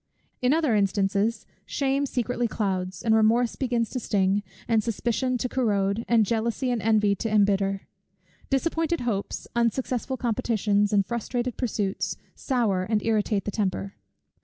In other instances, shame secretly clouds, and remorse begins to sting, and suspicion to corrode, and jealousy and envy to embitter. Disappointed hopes, unsuccessful competitions, and frustrated pursuits, sour and irritate the temper.